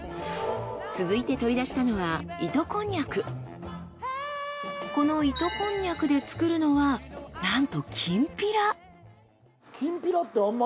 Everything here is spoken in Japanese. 続いて取り出したのはこの糸こんにゃくで作るのはなんときんぴら。